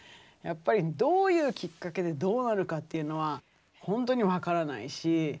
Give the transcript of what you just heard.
やっぱりどういうきっかけでどうなるかっていうのはほんとに分からないし。